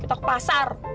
kita ke pasar